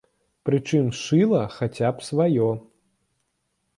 Прычым шыла хаця б сваё.